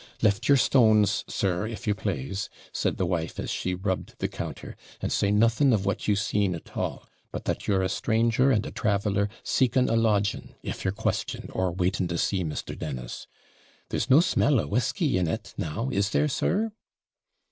'Lift your stones, sir, if you plase,' said the wife, as she rubbed the counter, 'and say nothing of what you SEEN at all; but that you're a stranger and a traveller seeking a lodging, if you're questioned, or waiting to see Mr. Dennis. There's no smell of whisky in it now, is there, sir?'